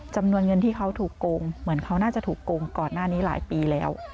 จำนวนเงินที่เขาถูกโกงเหมือนเขาน่าจะถูกโกงก่อนหน้านี้หลายปีแล้ว